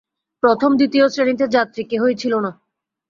প্রথম-দ্বিতীয় শ্রেণীতে যাত্রী কেহই ছিল না।